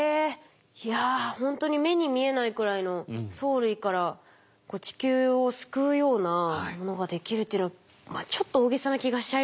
いやほんとに目に見えないくらいの藻類から地球を救うようなものができるっていうのはちょっと大げさな気がしちゃいますけど。